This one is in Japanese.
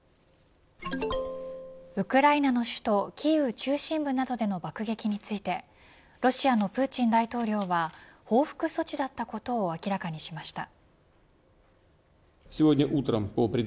ウクライナの首都キーウ中心部などでの爆撃についてロシアのプーチン大統領は報復措置だったことを明らかにしました。